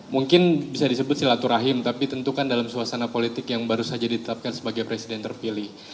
mungkin bisa disebut silaturahim tapi tentu kan dalam suasana politik yang baru saja ditetapkan sebagai presiden terpilih